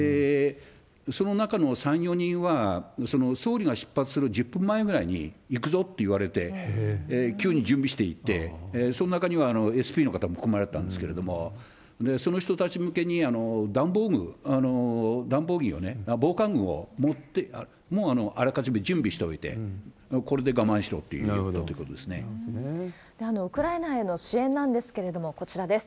その中の３、４人は、総理が出発する１０分前ぐらいに、行くぞって言われて、急に準備していって、その中にはＳＰの方も含まれてたんですけれども、その人たち向けに防寒具を持って、もうあらかじめ準備しておいて、ウクライナへの支援なんですけれども、こちらです。